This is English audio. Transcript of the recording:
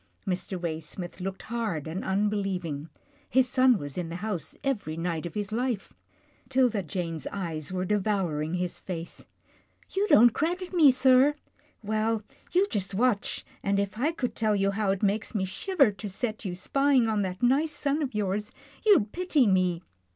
Mr. Waysmith looked hard and unbelieving. His son was in the house every night of his life. 'Tilda Jane's eyes were devouring his face. " You don't credit me, sir. Well, you just watch, and if I could tell you how it makes me shiver to set you spying on that nice son of yours, you'd pity me.